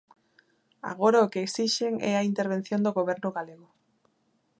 Agora o que exixen é a intervención do goberno galego.